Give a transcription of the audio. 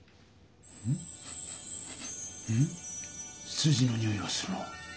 数字のにおいがするな。